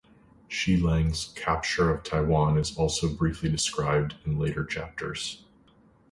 Shi Lang's capture of Taiwan is also briefly described in later chapters.